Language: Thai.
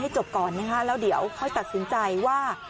จบก่อนนะคะแล้วเดี๋ยวค่อยตัดสินใจว่า